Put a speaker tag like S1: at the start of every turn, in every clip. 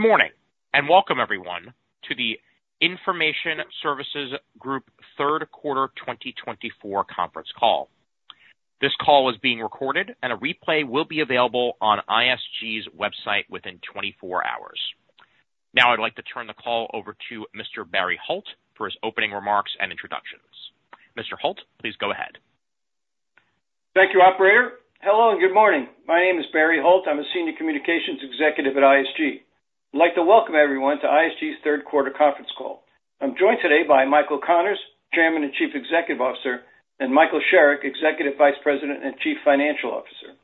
S1: Good morning and welcome, everyone, to the Information Services Group Third Quarter 2024 conference call. This call is being recorded, and a replay will be available on ISG's website within 24 hours. Now, I'd like to turn the call over to Mr. Barry Holt for his opening remarks and introductions. Mr. Holt, please go ahead.
S2: Thank you, Operator. Hello, and good morning. My name is Barry Holt. I'm a Senior Communications Executive at ISG. I'd like to welcome everyone to ISG's Third Quarter conference call. I'm joined today by Michael Connors, Chairman and Chief Executive Officer, and Michael Sherrick, Executive Vice President and Chief Financial Officer.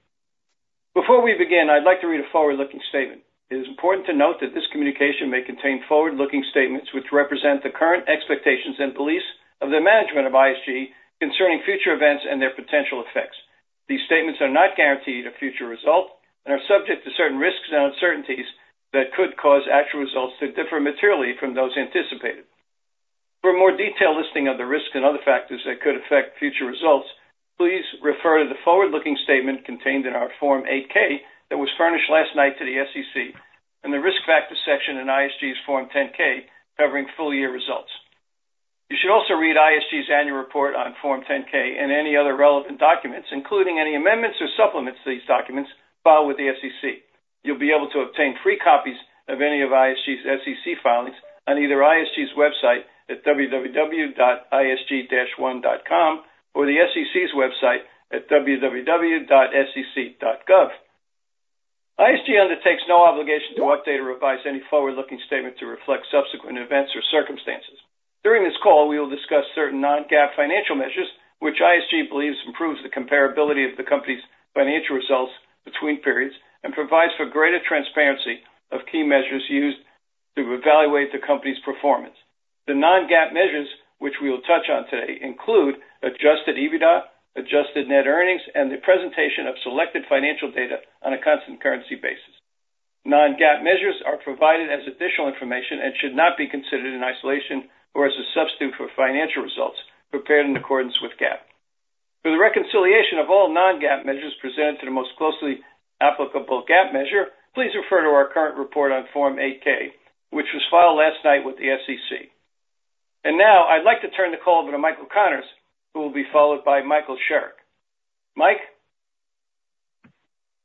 S2: Before we begin, I'd like to read a forward-looking statement. It is important to note that this communication may contain forward-looking statements which represent the current expectations and beliefs of the management of ISG concerning future events and their potential effects. These statements are not guaranteed a future result and are subject to certain risks and uncertainties that could cause actual results to differ materially from those anticipated. For a more detailed listing of the risks and other factors that could affect future results, please refer to the forward-looking statement contained in our Form 8-K that was furnished last night to the SEC and the risk factors section in ISG's Form 10-K covering full-year results. You should also read ISG's Annual Report on Form 10-K and any other relevant documents, including any amendments or supplements to these documents filed with the SEC. You'll be able to obtain free copies of any of ISG's SEC filings on either ISG's website at www.isg-one.com or the SEC's website at www.sec.gov. ISG undertakes no obligation to update or revise any forward-looking statement to reflect subsequent events or circumstances. During this call, we will discuss certain non-GAAP financial measures which ISG believes improve the comparability of the company's financial results between periods and provide for greater transparency of key measures used to evaluate the company's performance. The non-GAAP measures which we will touch on today include adjusted EBITDA, adjusted net earnings, and the presentation of selected financial data on a constant currency basis. Non-GAAP measures are provided as additional information and should not be considered in isolation or as a substitute for financial results prepared in accordance with GAAP. For the reconciliation of all non-GAAP measures presented to the most closely applicable GAAP measure, please refer to our current report on Form 8-K which was filed last night with the SEC. And now, I'd like to turn the call over to Michael Connors, who will be followed by Michael Sherrick. Mike.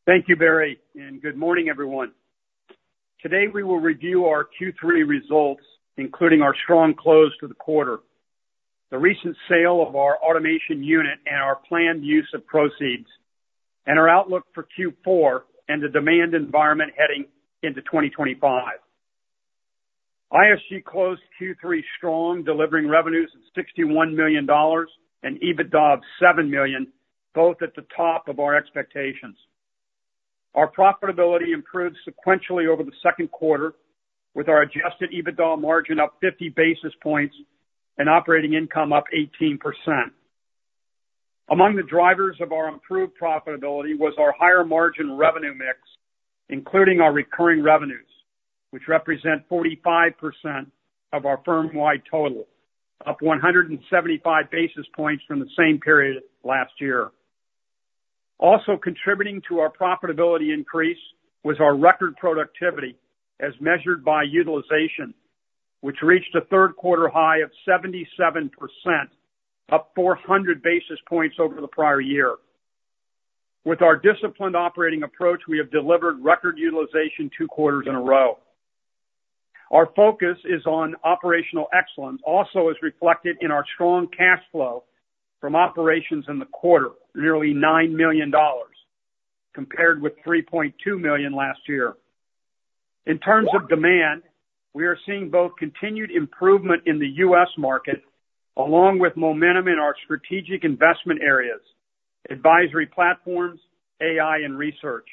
S3: Thank you, Barry, and good morning, everyone. Today, we will review our Q3 results, including our strong close to the quarter, the recent sale of our automation unit and our planned use of proceeds, and our outlook for Q4 and the demand environment heading into 2025. ISG closed Q3 strong, delivering revenues of $61 million and EBITDA of $7 million, both at the top of our expectations. Our profitability improved sequentially over the second quarter, with our adjusted EBITDA margin up 50 basis points and operating income up 18%. Among the drivers of our improved profitability was our higher margin revenue mix, including our recurring revenues, which represent 45% of our firm-wide total, up 175 basis points from the same period last year. Also contributing to our profitability increase was our record productivity as measured by utilization, which reached a third-quarter high of 77%, up 400 basis points over the prior year. With our disciplined operating approach, we have delivered record utilization two quarters in a row. Our focus is on operational excellence, also as reflected in our strong cash flow from operations in the quarter, nearly $9 million, compared with $3.2 million last year. In terms of demand, we are seeing both continued improvement in the U.S. market along with momentum in our strategic investment areas, advisory platforms, AI, and research.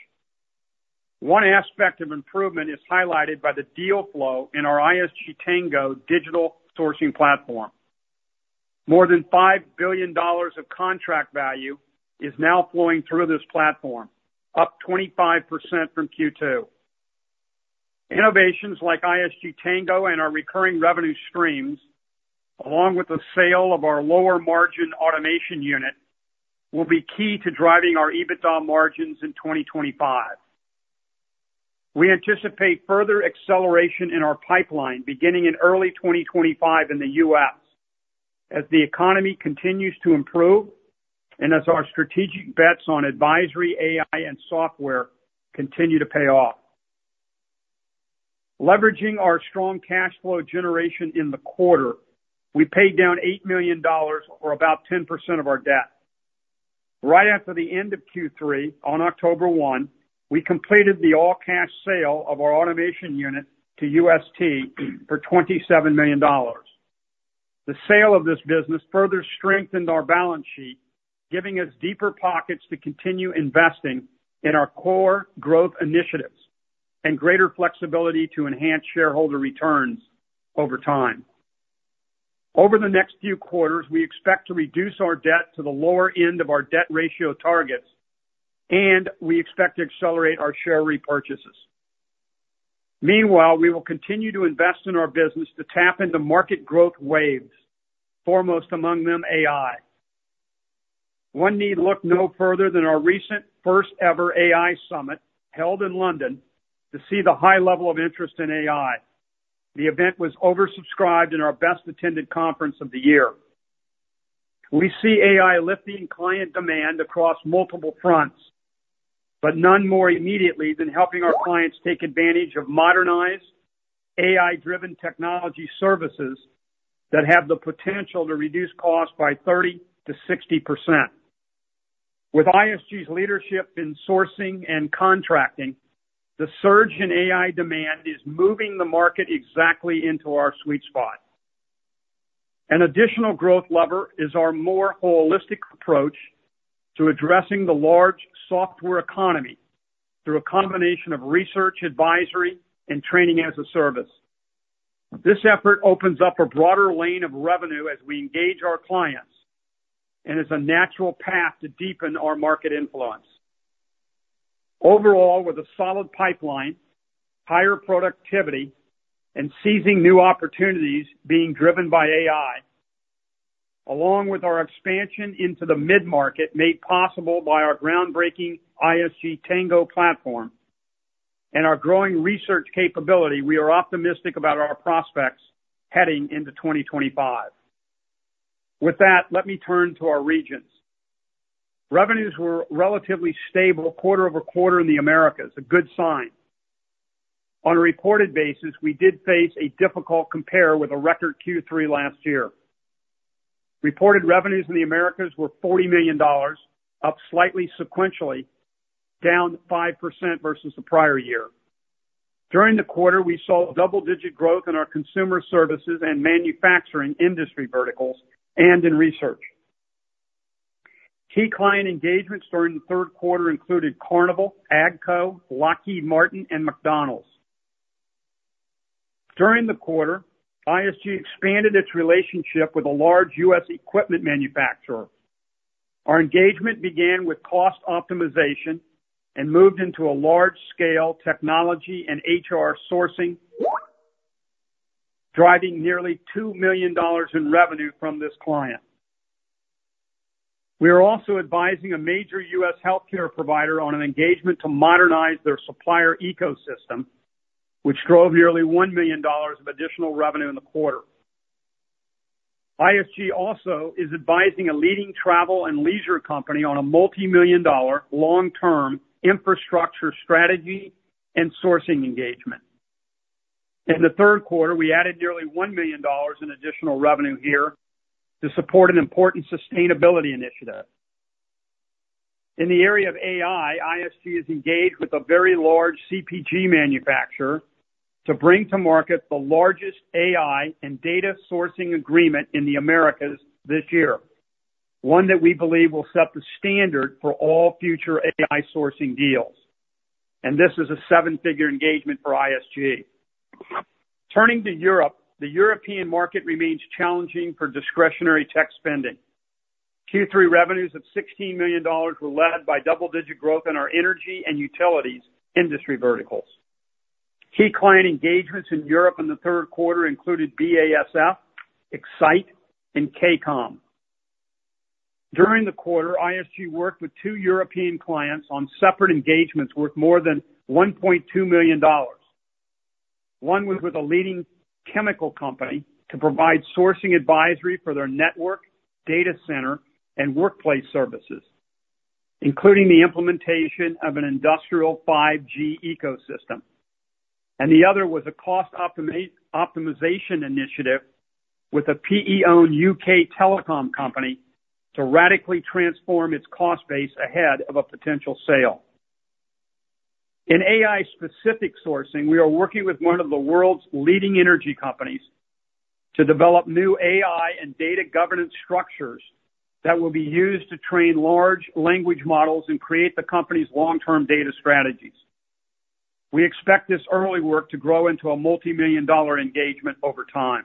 S3: One aspect of improvement is highlighted by the deal flow in our ISG Tango digital sourcing platform. More than $5 billion of contract value is now flowing through this platform, up 25% from Q2. Innovations like ISG Tango and our recurring revenue streams, along with the sale of our lower-margin automation unit, will be key to driving our EBITDA margins in 2025. We anticipate further acceleration in our pipeline beginning in early 2025 in the U.S. as the economy continues to improve and as our strategic bets on advisory, AI, and software continue to pay off. Leveraging our strong cash flow generation in the quarter, we paid down $8 million or about 10% of our debt. Right after the end of Q3, on October 1, we completed the all-cash sale of our automation unit to UST for $27 million. The sale of this business further strengthened our balance sheet, giving us deeper pockets to continue investing in our core growth initiatives and greater flexibility to enhance shareholder returns over time. Over the next few quarters, we expect to reduce our debt to the lower end of our debt ratio targets, and we expect to accelerate our share repurchases. Meanwhile, we will continue to invest in our business to tap into market growth waves, foremost among them AI. One need look no further than our recent first-ever AI summit held in London to see the high level of interest in AI. The event was oversubscribed, our best-attended conference of the year. We see AI lifting client demand across multiple fronts, but none more immediately than helping our clients take advantage of modernized, AI-driven technology services that have the potential to reduce costs by 30%-60%. With ISG's leadership in sourcing and contracting, the surge in AI demand is moving the market exactly into our sweet spot. An additional growth lever is our more holistic approach to addressing the large software economy through a combination of research, advisory, and training as a service. This effort opens up a broader lane of revenue as we engage our clients and is a natural path to deepen our market influence. Overall, with a solid pipeline, higher productivity, and seizing new opportunities being driven by AI, along with our expansion into the mid-market made possible by our groundbreaking ISG Tango platform and our growing research capability, we are optimistic about our prospects heading into 2025. With that, let me turn to our regions. Revenues were relatively stable quarter over quarter in the Americas, a good sign. On a reported basis, we did face a difficult compare with a record Q3 last year. Reported revenues in the Americas were $40 million, up slightly sequentially, down 5% versus the prior year. During the quarter, we saw double-digit growth in our consumer services and manufacturing industry verticals and in research. Key client engagements during the third quarter included Carnival, AGCO, Lockheed Martin, and McDonald's. During the quarter, ISG expanded its relationship with a large U.S. equipment manufacturer. Our engagement began with cost optimization and moved into a large-scale technology and HR sourcing, driving nearly $2 million in revenue from this client. We are also advising a major U.S. healthcare provider on an engagement to modernize their supplier ecosystem, which drove nearly $1 million of additional revenue in the quarter. ISG also is advising a leading travel and leisure company on a multi-million dollar long-term infrastructure strategy and sourcing engagement. In the third quarter, we added nearly $1 million in additional revenue here to support an important sustainability initiative. In the area of AI, ISG is engaged with a very large CPG manufacturer to bring to market the largest AI and data sourcing agreement in the Americas this year, one that we believe will set the standard for all future AI sourcing deals, and this is a seven-figure engagement for ISG. Turning to Europe, the European market remains challenging for discretionary tech spending. Q3 revenues of $16 million were led by double-digit growth in our energy and utilities industry verticals. Key client engagements in Europe in the third quarter included BASF, Essity, and KCOM. During the quarter, ISG worked with two European clients on separate engagements worth more than $1.2 million. One was with a leading chemical company to provide sourcing advisory for their network, data center, and workplace services, including the implementation of an industrial 5G ecosystem. And the other was a cost optimization initiative with a PE-owned UK telecom company to radically transform its cost base ahead of a potential sale. In AI-specific sourcing, we are working with one of the world's leading energy companies to develop new AI and data governance structures that will be used to train large language models and create the company's long-term data strategies. We expect this early work to grow into a multi-million dollar engagement over time.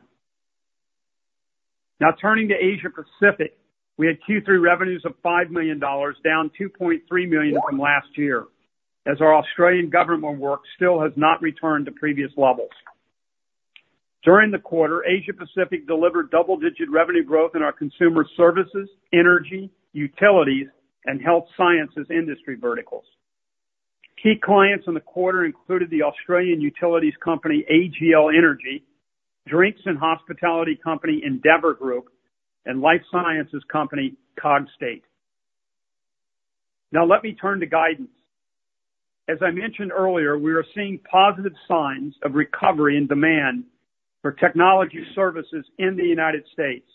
S3: Now, turning to Asia Pacific, we had Q3 revenues of $5 million, down $2.3 million from last year, as our Australian government work still has not returned to previous levels. During the quarter, Asia Pacific delivered double-digit revenue growth in our consumer services, energy, utilities, and health sciences industry verticals. Key clients in the quarter included the Australian utilities company AGL Energy, drinks and hospitality company Endeavour Group, and life sciences company Cogstate. Now, let me turn to guidance. As I mentioned earlier, we are seeing positive signs of recovery in demand for technology services in the United States.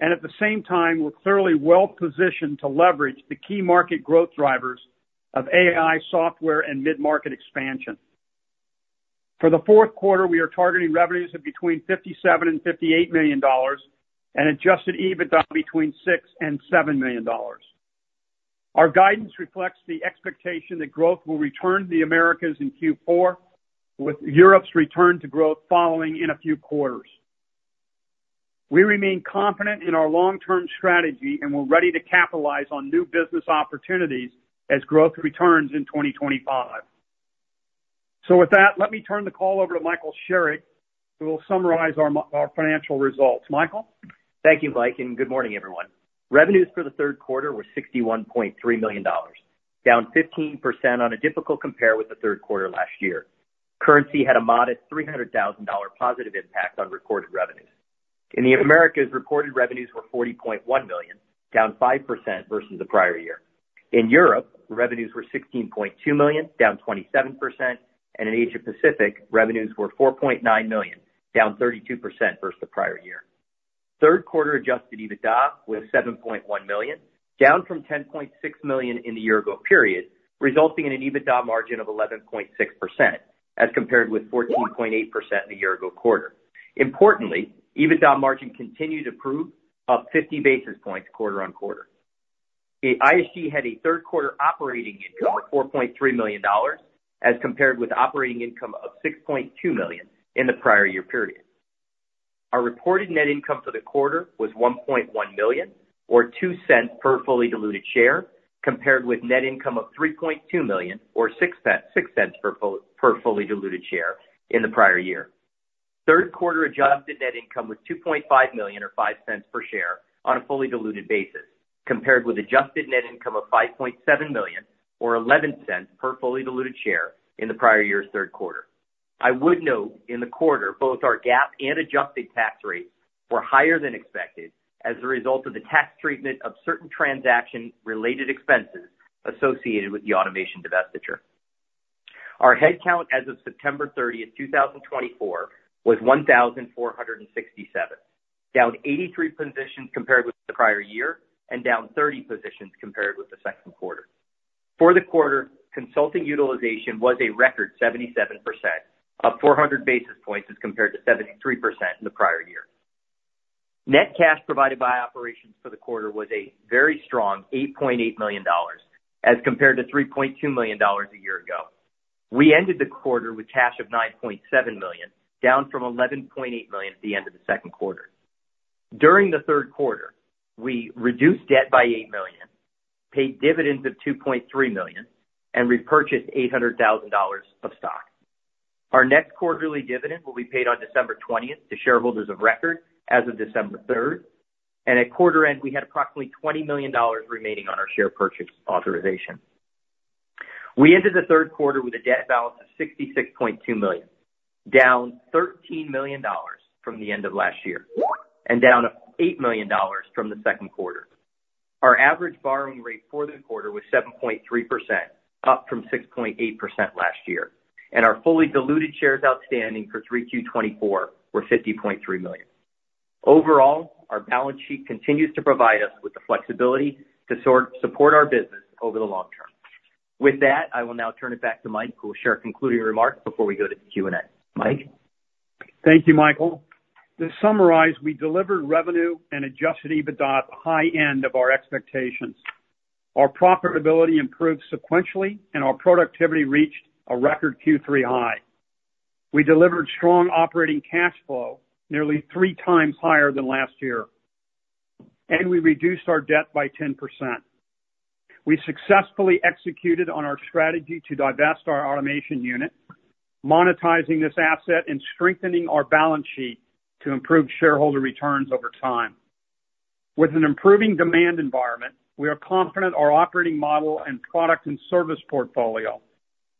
S3: And at the same time, we're clearly well-positioned to leverage the key market growth drivers of AI software and mid-market expansion. For the fourth quarter, we are targeting revenues of between $57 and $58 million and adjusted EBITDA between $6 and $7 million. Our guidance reflects the expectation that growth will return to the Americas in Q4, with Europe's return to growth following in a few quarters. We remain confident in our long-term strategy and we're ready to capitalize on new business opportunities as growth returns in 2025. So with that, let me turn the call over to Michael Sherrick, who will summarize our financial results. Michael?
S4: Thank you, Mike, and good morning, everyone. Revenues for the third quarter were $61.3 million, down 15% on a difficult compare with the third quarter last year. Currency had a modest $300,000 positive impact on recorded revenues. In the Americas, recorded revenues were $40.1 million, down 5% versus the prior year. In Europe, revenues were $16.2 million, down 27%, and in Asia Pacific, revenues were $4.9 million, down 32% versus the prior year. Third quarter adjusted EBITDA was $7.1 million, down from $10.6 million in the year-ago period, resulting in an EBITDA margin of 11.6% as compared with 14.8% in the year-ago quarter. Importantly, EBITDA margin continued to improve up 50 basis points quarter on quarter. ISG had a third quarter operating income of $4.3 million as compared with operating income of $6.2 million in the prior year period. Our reported net income for the quarter was $1.1 million, or $0.02 per fully diluted share, compared with net income of $3.2 million, or $0.06 per fully diluted share in the prior year. Third quarter adjusted net income was $2.5 million, or $0.05 per share on a fully diluted basis, compared with adjusted net income of $5.7 million, or $0.11 per fully diluted share in the prior year's third quarter. I would note in the quarter, both our GAAP and adjusted tax rates were higher than expected as a result of the tax treatment of certain transaction-related expenses associated with the automation divestiture. Our headcount as of September 30th, 2024, was 1,467, down 83 positions compared with the prior year and down 30 positions compared with the second quarter. For the quarter, consulting utilization was a record 77%, up 400 basis points as compared to 73% in the prior year. Net cash provided by operations for the quarter was a very strong $8.8 million as compared to $3.2 million a year ago. We ended the quarter with cash of $9.7 million, down from $11.8 million at the end of the second quarter. During the third quarter, we reduced debt by $8 million, paid dividends of $2.3 million, and repurchased $800,000 of stock. Our next quarterly dividend will be paid on December 20th to shareholders of record as of December 3rd. At quarter end, we had approximately $20 million remaining on our share purchase authorization. We ended the third quarter with a debt balance of $66.2 million, down $13 million from the end of last year, and down $8 million from the second quarter. Our average borrowing rate for the quarter was 7.3%, up from 6.8% last year, and our fully diluted shares outstanding for 3Q24 were $50.3 million. Overall, our balance sheet continues to provide us with the flexibility to support our business over the long term. With that, I will now turn it back to Mike, who will share concluding remarks before we go to the Q&A. Mike.
S3: Thank you, Michael. To summarize, we delivered revenue and adjusted EBITDA at the high end of our expectations. Our profitability improved sequentially, and our productivity reached a record Q3 high. We delivered strong operating cash flow, nearly three times higher than last year, and we reduced our debt by 10%. We successfully executed on our strategy to divest our automation unit, monetizing this asset and strengthening our balance sheet to improve shareholder returns over time. With an improving demand environment, we are confident our operating model and product and service portfolio,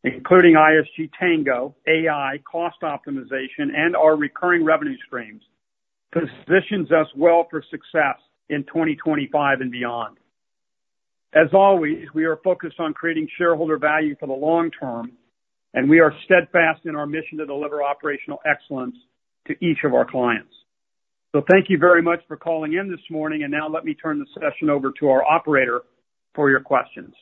S3: including ISG Tango, AI, cost optimization, and our recurring revenue streams, positions us well for success in 2025 and beyond. As always, we are focused on creating shareholder value for the long term, and we are steadfast in our mission to deliver operational excellence to each of our clients. Thank you very much for calling in this morning, and now let me turn the session over to our operator for your questions.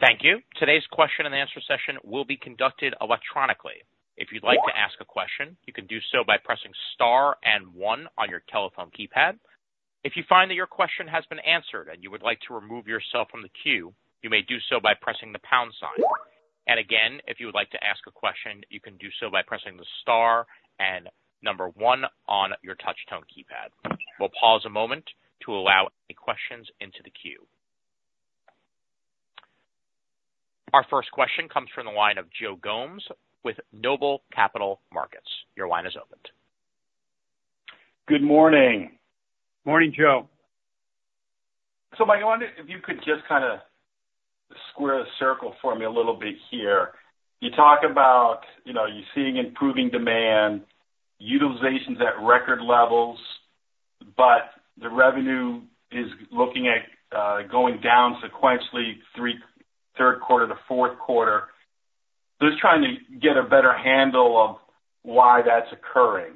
S1: Thank you. Today's question and answer session will be conducted electronically. If you'd like to ask a question, you can do so by pressing star and one on your telephone keypad. If you find that your question has been answered and you would like to remove yourself from the queue, you may do so by pressing the pound sign. And again, if you would like to ask a question, you can do so by pressing the star and number one on your touchtone keypad. We'll pause a moment to allow questions into the queue. Our first question comes from the line of Joe Gomes with Noble Capital Markets. Your line is open.
S5: Good morning.
S3: Morning, Joe.
S5: So Mike, I wonder if you could just kind of square the circle for me a little bit here. You talk about you seeing improving demand, utilizations at record levels, but the revenue is looking at going down sequentially third quarter to fourth quarter. Just trying to get a better handle of why that's occurring.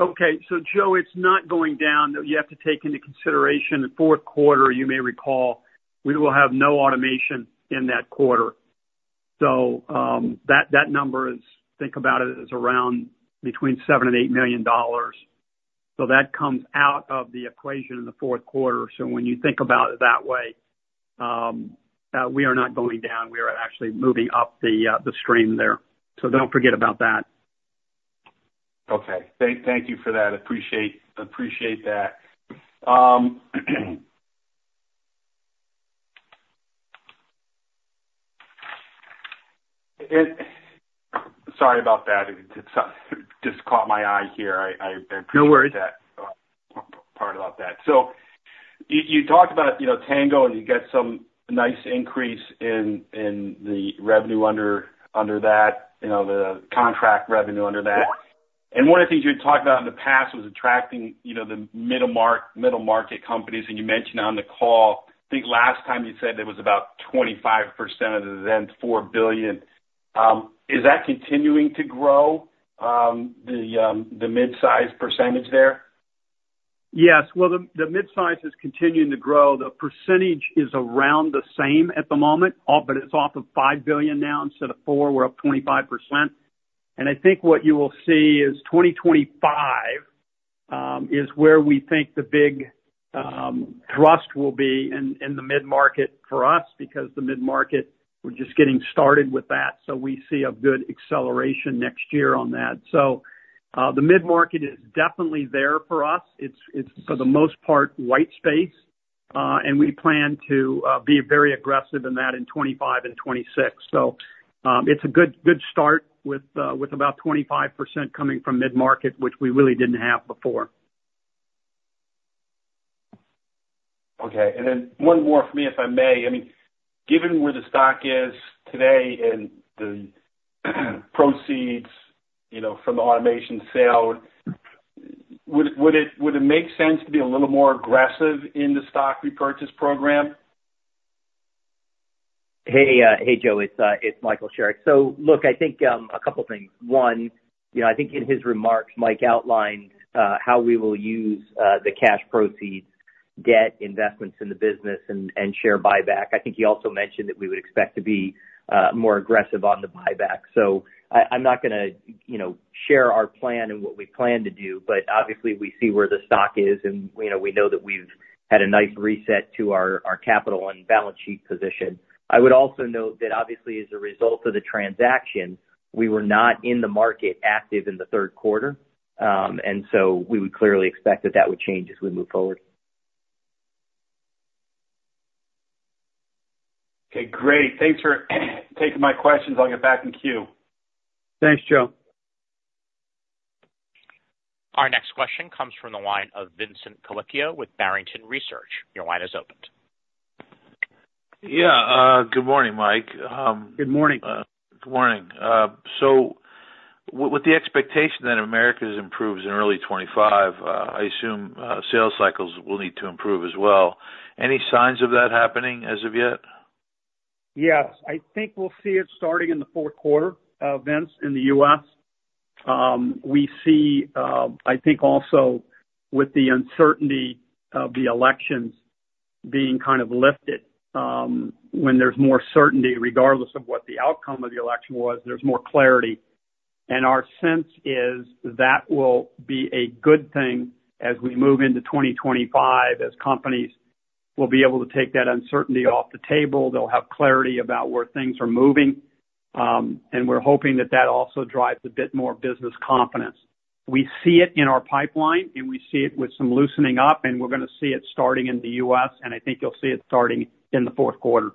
S3: Okay. So Joe, it's not going down. You have to take into consideration the fourth quarter, you may recall, we will have no automation in that quarter. So that number is, think about it as around between $7 million and $8 million. So that comes out of the equation in the fourth quarter. So when you think about it that way, we are not going down. We are actually moving up the stream there. So don't forget about that.
S5: Okay. Thank you for that. Appreciate that. Sorry about that. It just caught my eye here. I appreciate that.
S3: No worries.
S5: Part about that. So you talked about Tango, and you got some nice increase in the revenue under that, the contract revenue under that. And one of the things you had talked about in the past was attracting the middle market companies. And you mentioned on the call, I think last time you said it was about 25% of the then $4 billion. Is that continuing to grow, the mid-size percentage there?
S3: Yes. Well, the mid-size is continuing to grow. The percentage is around the same at the moment, but it's off of $5 billion now instead of $4 billion. We're up 25%, and I think what you will see is 2025 is where we think the big thrust will be in the mid-market for us because the mid-market, we're just getting started with that. So we see a good acceleration next year on that. So the mid-market is definitely there for us. It's, for the most part, white space, and we plan to be very aggressive in that in 2025 and 2026. So it's a good start with about 25% coming from mid-market, which we really didn't have before.
S5: Okay. And then one more for me, if I may. I mean, given where the stock is today and the proceeds from the automation sale, would it make sense to be a little more aggressive in the stock repurchase program?
S4: Hey, Joe. It's Michael Sherrick. So look, I think a couple of things. One, I think in his remarks, Mike outlined how we will use the cash proceeds, debt, investments in the business, and share buyback. I think he also mentioned that we would expect to be more aggressive on the buyback. So I'm not going to share our plan and what we plan to do, but obviously, we see where the stock is, and we know that we've had a nice reset to our capital and balance sheet position. I would also note that obviously, as a result of the transaction, we were not in the market active in the third quarter, and so we would clearly expect that that would change as we move forward.
S5: Okay. Great. Thanks for taking my questions. I'll get back in queue.
S3: Thanks, Joe.
S1: Our next question comes from the line of Vincent Colicchio with Barrington Research. Your line is opened.
S6: Yeah. Good morning, Mike.
S3: Good morning.
S6: Good morning. So with the expectation that Americas improves in early 2025, I assume sales cycles will need to improve as well. Any signs of that happening as of yet?
S3: Yes. I think we'll see it starting in the fourth quarter, Vince, in the U.S. We see, I think, also with the uncertainty of the elections being kind of lifted, when there's more certainty, regardless of what the outcome of the election was, there's more clarity, and our sense is that will be a good thing as we move into 2025, as companies will be able to take that uncertainty off the table. They'll have clarity about where things are moving, and we're hoping that that also drives a bit more business confidence. We see it in our pipeline, and we see it with some loosening up, and we're going to see it starting in the U.S., and I think you'll see it starting in the fourth quarter.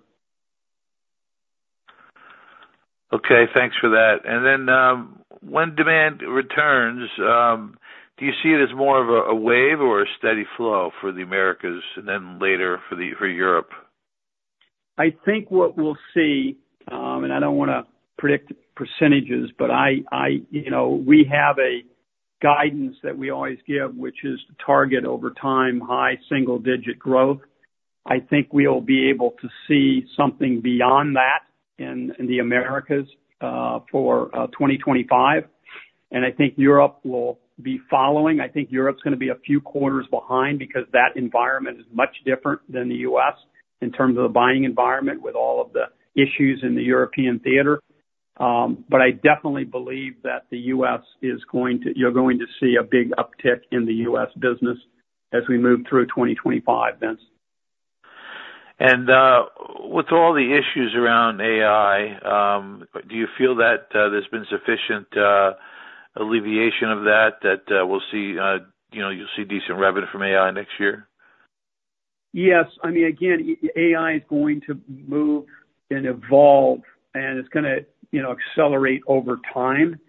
S6: Okay. Thanks for that. And then when demand returns, do you see it as more of a wave or a steady flow for the Americas and then later for Europe?
S3: I think what we'll see, and I don't want to predict percentages, but we have a guidance that we always give, which is to target over time high single-digit growth. I think we'll be able to see something beyond that in the Americas for 2025, and I think Europe will be following. I think Europe's going to be a few quarters behind because that environment is much different than the U.S. in terms of the buying environment with all of the issues in the European theater, but I definitely believe that the U.S. is going to, you're going to see a big uptick in the U.S. business as we move through 2025, Vince.
S6: With all the issues around AI, do you feel that there's been sufficient alleviation of that, that you'll see decent revenue from AI next year?
S3: Yes. I mean, again, AI is going to move and evolve, and it's going to accelerate over time.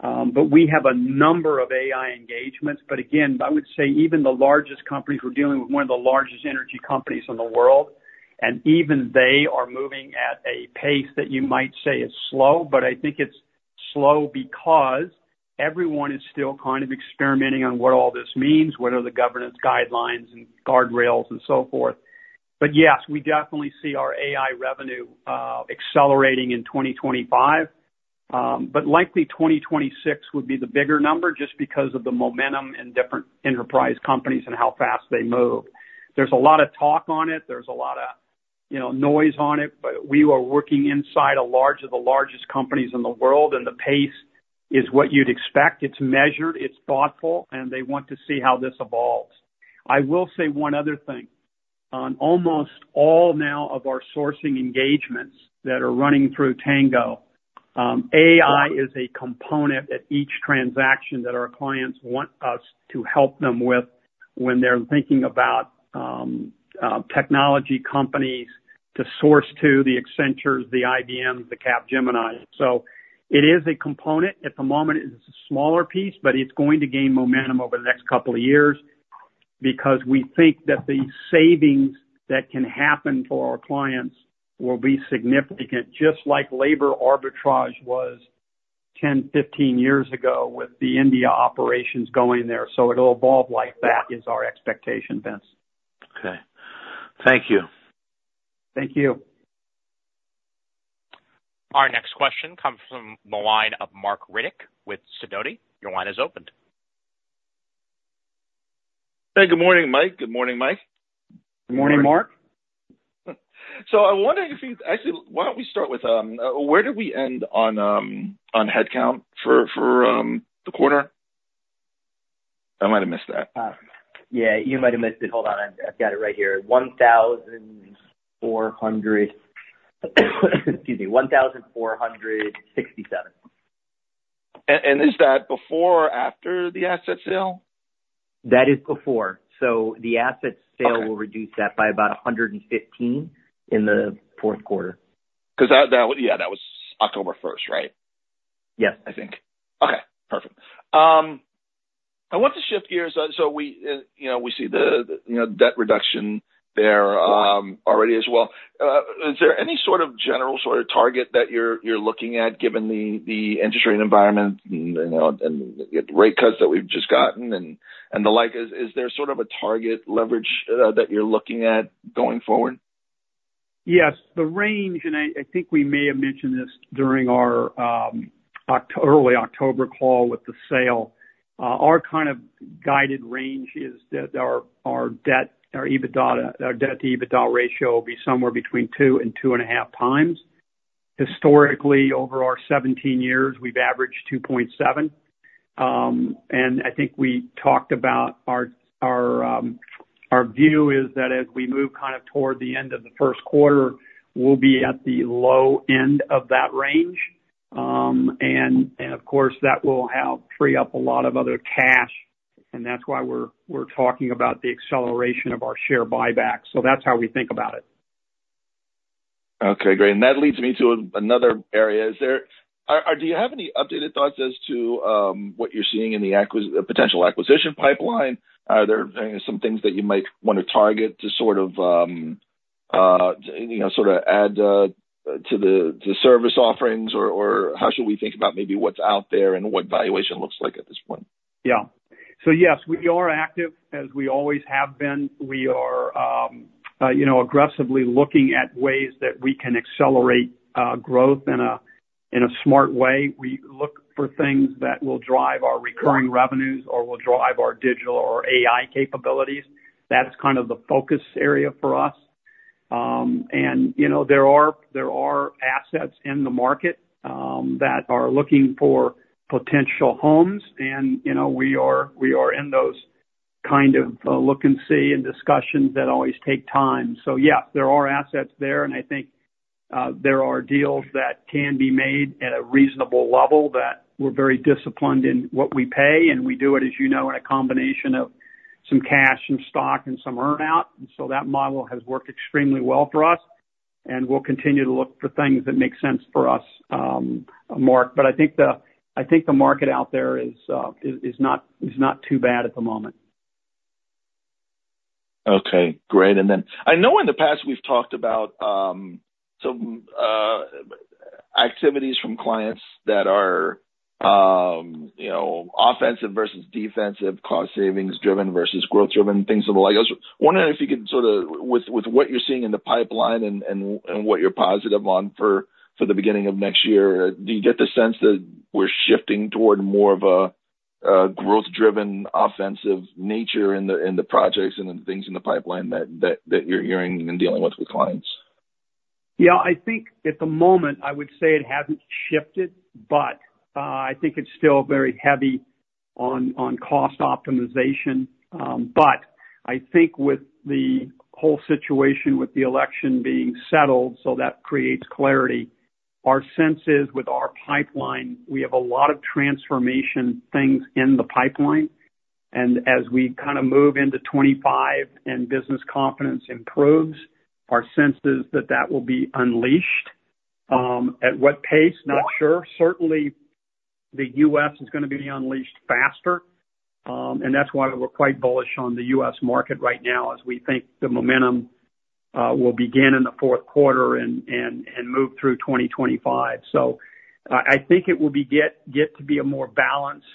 S3: But we have a number of AI engagements. But again, I would say even the largest companies, we're dealing with one of the largest energy companies in the world, and even they are moving at a pace that you might say is slow. But I think it's slow because everyone is still kind of experimenting on what all this means, what are the governance guidelines and guardrails and so forth. But yes, we definitely see our AI revenue accelerating in 2025, but likely 2026 would be the bigger number just because of the momentum in different enterprise companies and how fast they move. There's a lot of talk on it. There's a lot of noise on it, but we are working inside of the largest companies in the world, and the pace is what you'd expect. It's measured. It's thoughtful, and they want to see how this evolves. I will say one other thing. On almost all now of our sourcing engagements that are running through Tango, AI is a component at each transaction that our clients want us to help them with when they're thinking about technology companies to source to the Accenture, the IBM, the Capgemini. So it is a component. At the moment, it's a smaller piece, but it's going to gain momentum over the next couple of years because we think that the savings that can happen for our clients will be significant, just like labor arbitrage was 10, 15 years ago with the India operations going there. It'll evolve like that. That is our expectation, Vince.
S6: Okay. Thank you.
S3: Thank you.
S1: Our next question comes from the line of Marc Riddick with Sidoti & Company. Your line is opened.
S7: Hey, good morning, Mike. Good morning, Mike.
S3: Good morning, Marc.
S7: I'm wondering if you, actually, why don't we start with where did we end on headcount for the quarter? I might have missed that.
S4: Yeah. You might have missed it. Hold on. I've got it right here. 1,400, excuse me, 1,467.
S7: Is that before or after the asset sale?
S4: That is before, so the asset sale will reduce that by about 115 in the fourth quarter.
S7: Because yeah, that was October 1st, right?
S4: Yes. I think.
S7: Okay. Perfect. I want to shift gears. So we see the debt reduction there already as well. Is there any sort of general sort of target that you're looking at given the interest rate environment and the rate cuts that we've just gotten and the like? Is there sort of a target leverage that you're looking at going forward?
S3: Yes. The range, and I think we may have mentioned this during our early October call with the sell-side, our kind of guided range is that our debt-to-EBITDA ratio will be somewhere between 2 and 2.5 times. Historically, over our 17 years, we've averaged 2.7 times. And I think we talked about our view is that as we move kind of toward the end of the first quarter, we'll be at the low end of that range. And of course, that will free up a lot of other cash, and that's why we're talking about the acceleration of our share buyback. So that's how we think about it.
S7: Okay. Great. And that leads me to another area. Do you have any updated thoughts as to what you're seeing in the potential acquisition pipeline? Are there some things that you might want to target to sort of add to the service offerings, or how should we think about maybe what's out there and what valuation looks like at this point?
S3: Yeah, so yes, we are active, as we always have been. We are aggressively looking at ways that we can accelerate growth in a smart way. We look for things that will drive our recurring revenues or will drive our digital or AI capabilities. That's kind of the focus area for us. And there are assets in the market that are looking for potential homes, and we are in those kind of look and see and discussions that always take time, so yes, there are assets there, and I think there are deals that can be made at a reasonable level that we're very disciplined in what we pay. And we do it, as you know, in a combination of some cash and stock and some earnout. And so that model has worked extremely well for us, and we'll continue to look for things that make sense for us, Marc. But I think the market out there is not too bad at the moment.
S7: Okay. Great. And then I know in the past we've talked about some activities from clients that are offensive versus defensive, cost savings driven versus growth driven, things of the like. I was wondering if you could sort of, with what you're seeing in the pipeline and what you're positive on for the beginning of next year, do you get the sense that we're shifting toward more of a growth-driven, offensive nature in the projects and the things in the pipeline that you're hearing and dealing with with clients?
S3: Yeah. I think at the moment, I would say it hasn't shifted, but I think it's still very heavy on cost optimization. But I think with the whole situation with the election being settled, so that creates clarity. Our sense is with our pipeline, we have a lot of transformation things in the pipeline. And as we kind of move into 2025 and business confidence improves, our sense is that that will be unleashed. At what pace? Not sure. Certainly, the U.S. is going to be unleashed faster, and that's why we're quite bullish on the U.S. market right now, as we think the momentum will begin in the fourth quarter and move through 2025. So I think it will get to be a more balanced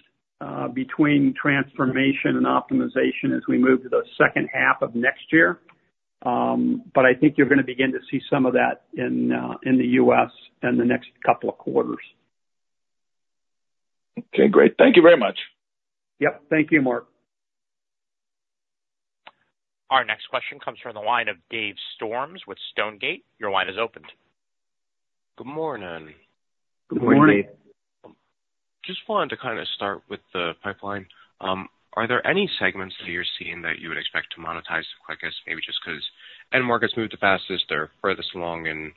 S3: between transformation and optimization as we move to the second half of next year. But I think you're going to begin to see some of that in the U.S. in the next couple of quarters.
S7: Okay. Great. Thank you very much.
S3: Yep. Thank you, Marc.
S1: Our next question comes from the line of Dave Storms with Stonegate. Your line is opened.
S8: Good morning.
S3: Good morning, Dave.
S4: Good morning.
S8: Just wanted to kind of start with the pipeline. Are there any segments that you're seeing that you would expect to monetize quickest, maybe just because end markets moved the fastest or furthest along in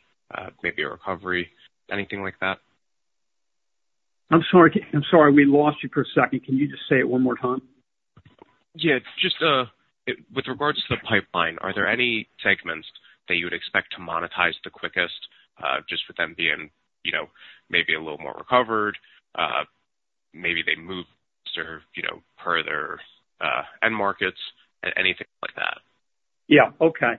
S8: maybe a recovery, anything like that?
S3: I'm sorry. I'm sorry. We lost you for a second. Can you just say it one more time?
S8: Yeah. Just with regards to the pipeline, are there any segments that you would expect to monetize the quickest, just with them being maybe a little more recovered, maybe they move further end markets, anything like that?
S3: Yeah. Okay.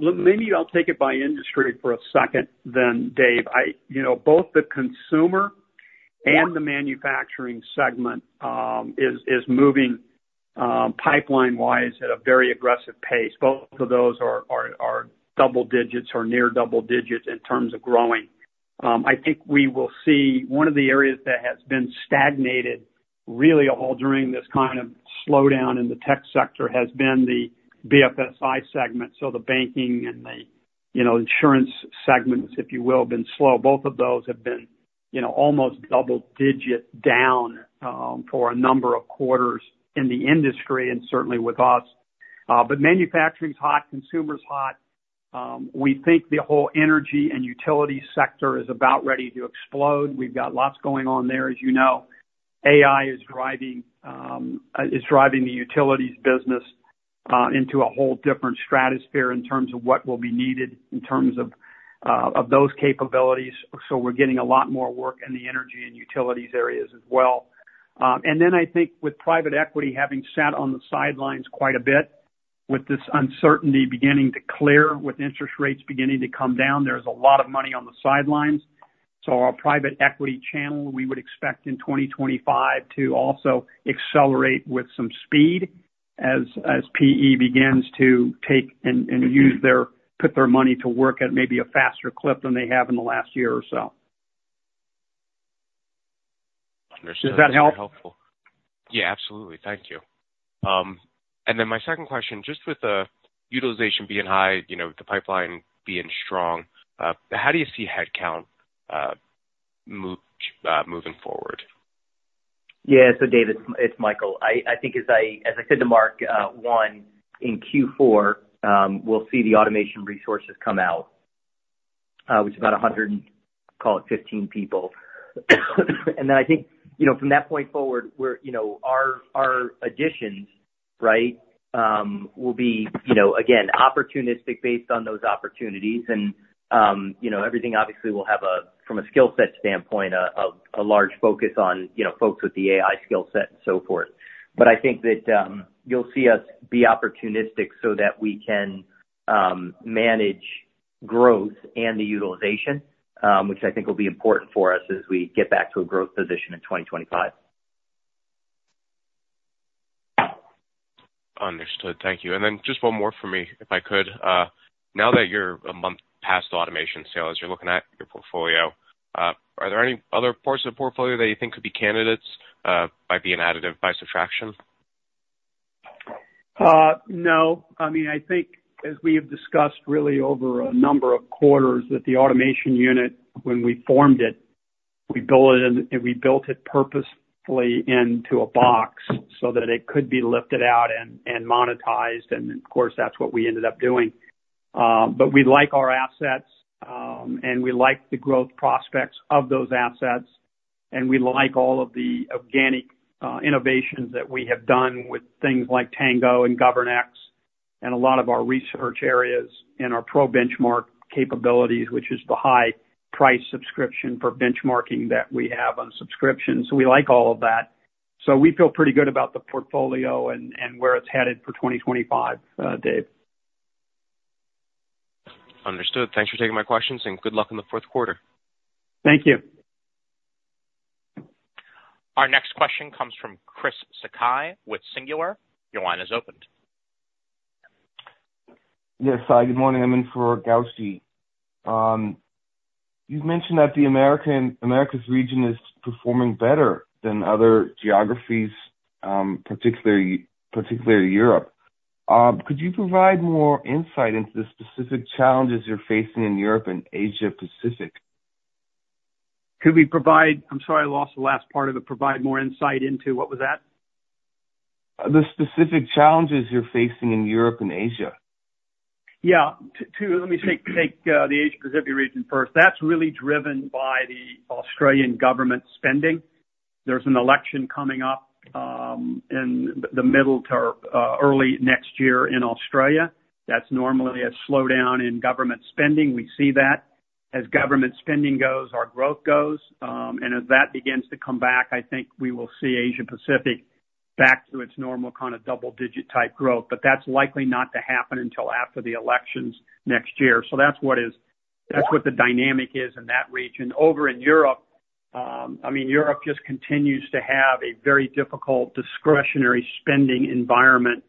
S3: Maybe I'll take it by industry for a second then, Dave. Both the consumer and the manufacturing segment is moving pipeline-wise at a very aggressive pace. Both of those are double digits or near double digits in terms of growing. I think we will see one of the areas that has been stagnated really all during this kind of slowdown in the tech sector has been the BFSI segment. So the banking and the insurance segments, if you will, have been slow. Both of those have been almost double digit down for a number of quarters in the industry and certainly with us. But manufacturing's hot, consumer's hot. We think the whole energy and utility sector is about ready to explode. We've got lots going on there, as you know. AI is driving the utilities business into a whole different stratosphere in terms of what will be needed in terms of those capabilities, so we're getting a lot more work in the energy and utilities areas as well, and then I think with private equity having sat on the sidelines quite a bit with this uncertainty beginning to clear, with interest rates beginning to come down, there's a lot of money on the sidelines, so our private equity channel, we would expect in 2025 to also accelerate with some speed as PE begins to take and put their money to work at maybe a faster clip than they have in the last year or so.
S8: Understood.
S3: Does that help?
S8: Yeah. Absolutely. Thank you, and then my second question, just with the utilization being high, the pipeline being strong, how do you see headcount moving forward?
S4: Yeah. So Dave, it's Michael. I think, as I said to Marc, one, in Q4, we'll see the automation resources come out, which is about 100, call it 15 people. And then I think from that point forward, our additions, right, will be, again, opportunistic based on those opportunities. And everything, obviously, will have, from a skill set standpoint, a large focus on folks with the AI skill set and so forth. But I think that you'll see us be opportunistic so that we can manage growth and the utilization, which I think will be important for us as we get back to a growth position in 2025.
S8: Understood. Thank you. And then just one more for me, if I could. Now that you're a month past the automation sales, you're looking at your portfolio, are there any other parts of the portfolio that you think could be candidates by being added and by subtraction?
S3: No. I mean, I think, as we have discussed really over a number of quarters, that the automation unit, when we formed it, we built it purposefully into a box so that it could be lifted out and monetized. And of course, that's what we ended up doing. But we like our assets, and we like the growth prospects of those assets, and we like all of the organic innovations that we have done with things like Tango and GovernX and a lot of our research areas and our ProBenchmark capabilities, which is the high-priced subscription for benchmarking that we have on subscription. So we feel pretty good about the portfolio and where it's headed for 2025, Dave.
S8: Understood. Thanks for taking my questions, and good luck in the fourth quarter.
S3: Thank you.
S1: Our next question comes from Chris Sakai with Singular. Your line is open.
S9: Yes. Hi, good morning. I'm in for Gowshihan. You've mentioned that Americas region is performing better than other geographies, particularly Europe. Could you provide more insight into the specific challenges you're facing in Europe and Asia-Pacific?
S3: Could we provide? I'm sorry, I lost the last part of it. Provide more insight into what was that?
S9: The specific challenges you're facing in Europe and Asia.
S3: Yeah. Let me take the Asia-Pacific region first. That's really driven by the Australian government spending. There's an election coming up in the middle to early next year in Australia. That's normally a slowdown in government spending. We see that. As government spending goes, our growth goes. And as that begins to come back, I think we will see Asia-Pacific back to its normal kind of double-digit type growth. But that's likely not to happen until after the elections next year. So that's what the dynamic is in that region. Over in Europe, I mean, Europe just continues to have a very difficult discretionary spending environment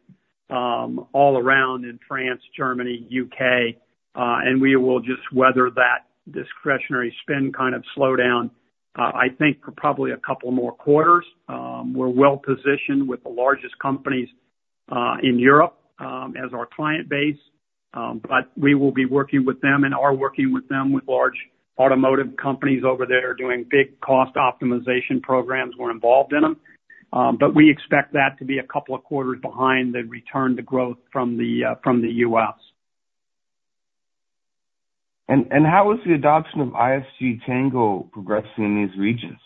S3: all around in France, Germany, U.K. And we will just weather that discretionary spend kind of slowdown, I think, for probably a couple more quarters. We're well-positioned with the largest companies in Europe as our client base, but we will be working with them and are working with them with large automotive companies over there doing big cost optimization programs. We're involved in them. But we expect that to be a couple of quarters behind the return to growth from the U.S.
S9: How is the adoption of ISG Tango progressing in these regions?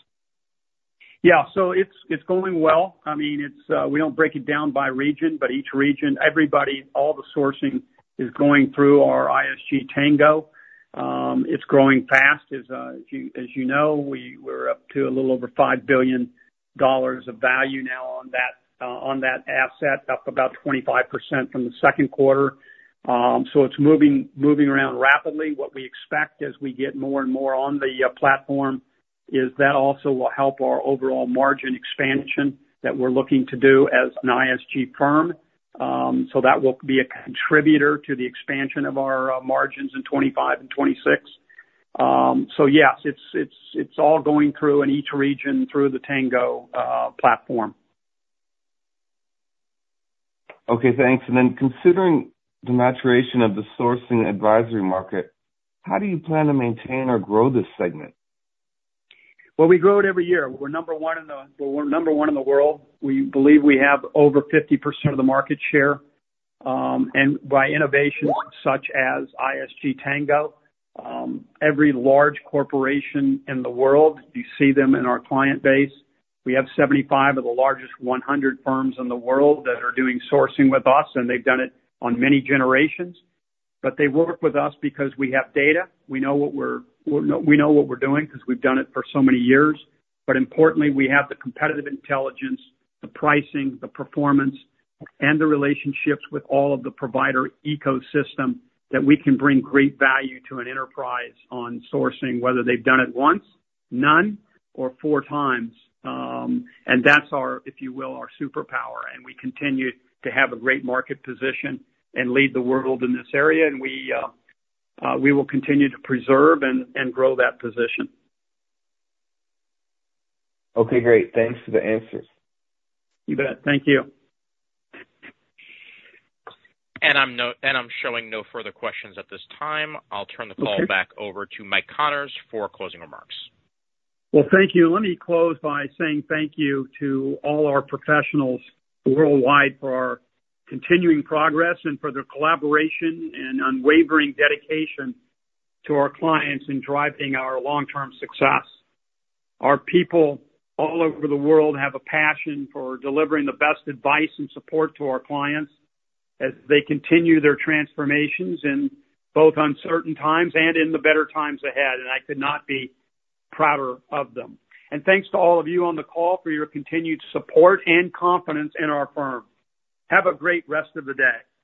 S3: Yeah. So it's going well. I mean, we don't break it down by region, but each region, everybody, all the sourcing is going through our ISG Tango. It's growing fast, as you know. We're up to a little over $5 billion of value now on that asset, up about 25% from the second quarter. So it's moving around rapidly. What we expect as we get more and more on the platform is that also will help our overall margin expansion that we're looking to do as an ISG firm. So that will be a contributor to the expansion of our margins in 2025 and 2026. So yes, it's all going through in each region through the Tango platform.
S9: Okay. Thanks. And then considering the maturation of the sourcing advisory market, how do you plan to maintain or grow this segment?
S3: We grow it every year. We're number one in the world. We believe we have over 50% of the market share. And by innovations such as ISG Tango, every large corporation in the world, you see them in our client base. We have 75 of the largest 100 firms in the world that are doing sourcing with us, and they've done it on many generations. But they work with us because we have data. We know what we're doing because we've done it for so many years. But importantly, we have the competitive intelligence, the pricing, the performance, and the relationships with all of the provider ecosystem that we can bring great value to an enterprise on sourcing, whether they've done it once, none, or four times. And that's, if you will, our superpower. We continue to have a great market position and lead the world in this area. We will continue to preserve and grow that position.
S9: Okay. Great. Thanks for the answers.
S3: You bet. Thank you.
S1: I'm showing no further questions at this time. I'll turn the call back over to Mike Connors for closing remarks.
S3: Thank you. Let me close by saying thank you to all our professionals worldwide for our continuing progress and for their collaboration and unwavering dedication to our clients in driving our long-term success. Our people all over the world have a passion for delivering the best advice and support to our clients as they continue their transformations in both uncertain times and in the better times ahead. I could not be prouder of them. Thanks to all of you on the call for your continued support and confidence in our firm. Have a great rest of the day.